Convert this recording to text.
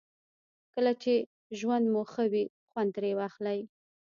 کله چې ژوند مو ښه وي خوند ترې واخلئ.